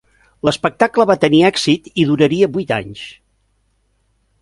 L'espectacle va tenir èxit i duraria vuit anys.